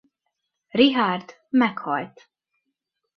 Richárd meghalt.